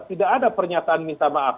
saya pernyataan minta maaf